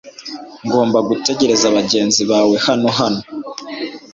Ngomba gutegereza bagenzi bawe hano hano .